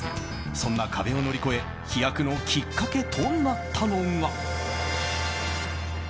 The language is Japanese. そんな壁を乗り越え飛躍のきっかけとなったのが。